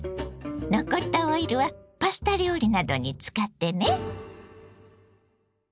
残ったオイルはパスタ料理などに使ってね。